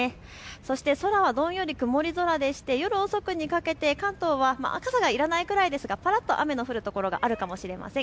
そして空はどんより曇り空でして夜遅くにかけて関東は傘がいらないくらいですがぱらっと雨が降るところがあるかもしれません。